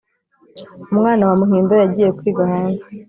umwana wa muhindo yagiye kwiga hanze